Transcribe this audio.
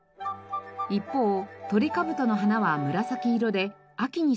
一方トリカブトの花は紫色で秋に咲きます。